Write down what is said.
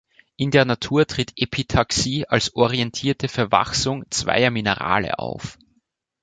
In der Natur tritt Epitaxie als orientierte Verwachsung zweier Minerale auf.